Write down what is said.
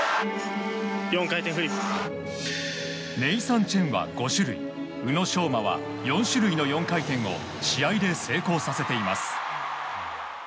ネイサン・チェンは５種類宇野昌磨は４種類の４回転を試合で成功させています。